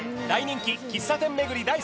大人気「喫茶店巡り」